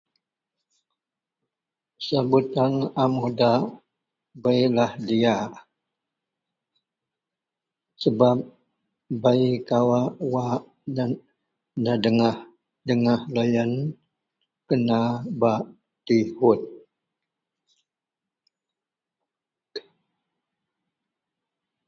sambutan a mudak beilah diak, sebab bei kawak nedegah-degah loyien kena bak tihut